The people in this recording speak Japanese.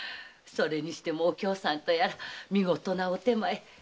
それにしてもお京さんとやら見事な御点前。